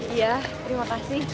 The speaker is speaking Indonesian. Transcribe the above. iya terima kasih